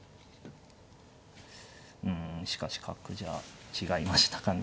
うんしかし角じゃあ違いましたかね。